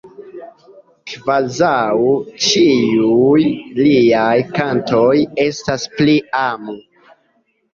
Kvazaŭ ĉiuj liaj kantoj estas pri amo.